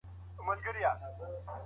دينداره سړی د خپلي کورنۍ سره جفا نه کوي.